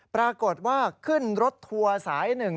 ปรากฏว่าขึ้นรถทัวร์สาย๑๒